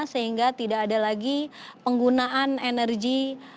sehingga tidak ada lagi penggunaan energi